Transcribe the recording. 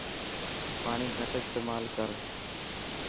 پاڻي گهٽ استيمال ڪرن.